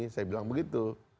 saya bilang begitu